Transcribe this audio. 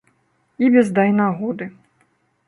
І без дай нагоды.